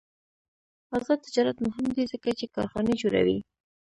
آزاد تجارت مهم دی ځکه چې کارخانې جوړوي.